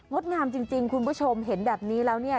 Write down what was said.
ดงามจริงคุณผู้ชมเห็นแบบนี้แล้วเนี่ย